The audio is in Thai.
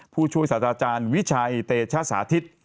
ผู้ช่วยศาสตราจารย์วิชัยเตชสาธิต